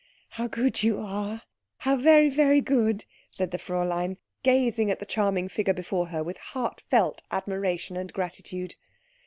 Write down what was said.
"How good you are how very, very good!" said the Fräulein, gazing at the charming figure before her with heartfelt admiration and gratitude.